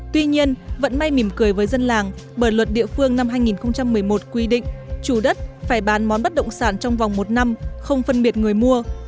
tuy nhiên vẫn may mỉm cười với dân làng bởi luật địa phương năm hai nghìn một mươi một quy định chủ đất phải bán món bất động sản trong vòng một năm không phân biệt người mua